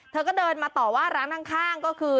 เธอก็เดินมาต่อว่าร้านข้างก็คือ